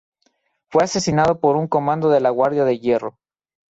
Fue asesinado por un comando de la Guardia de Hierro.